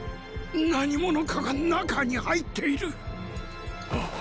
何者かが中に入っているーー！！っ！